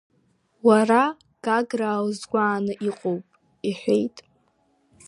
Уара гаграа узгәааны иҟоуп, — иҳәеит.